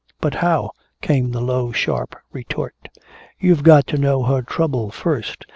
"But how?" came the low sharp retort. "You've got to know her trouble first.